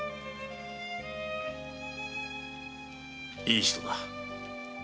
いい人だ。